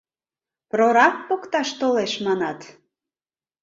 — Прораб покташ толеш, манат?